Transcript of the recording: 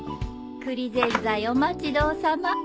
栗ぜんざいお待ち遠さま。